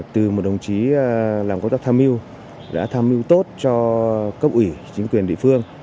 từ một đồng chí làm công tác tham mưu đã tham mưu tốt cho cấp ủy chính quyền địa phương